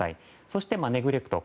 そして、ネグレクト。